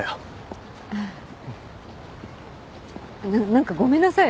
何かごめんなさい。